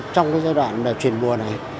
trong giai đoạn truyền mùa này